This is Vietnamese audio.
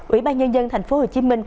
ủy ban nhân dân tp hcm